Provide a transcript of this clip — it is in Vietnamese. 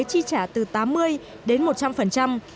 chi trả từ tám mươi đến một trăm linh